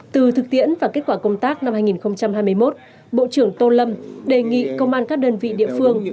từ thực tiễn và kết quả công tác năm hai nghìn hai mươi một bộ trưởng tô lâm đề nghị công an các đơn vị địa phương